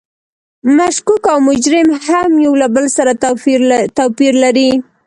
مشکوک او مجرم هم یو له بل سره توپیر لري.